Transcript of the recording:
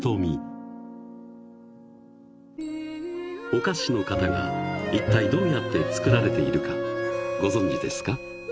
［お菓子の型がいったいどうやって作られているかご存じですか？］